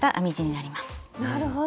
なるほど。